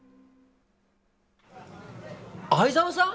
相澤さん？